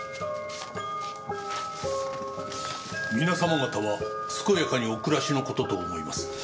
「皆様方は健やかにお暮らしのことと思います」